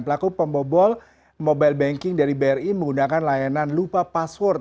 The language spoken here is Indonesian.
pelaku pembobol mobile banking dari bri menggunakan layanan lupa password